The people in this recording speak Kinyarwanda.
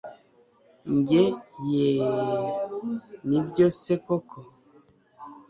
njye yeeeeh! nibyo se koko!